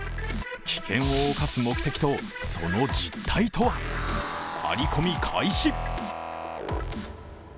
危険を犯す目的とその実態とはハリコミ開始！